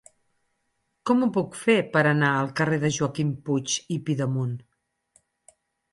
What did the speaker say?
Com ho puc fer per anar al carrer de Joaquim Puig i Pidemunt?